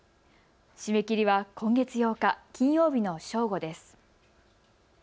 締め切りは今月８日、金曜日の正午です。